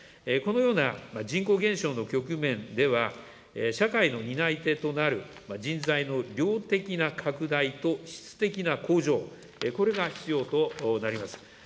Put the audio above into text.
このような人口減少の局面では、社会の担い手となる人材の量的な拡大と質的な向上、これが必要となります。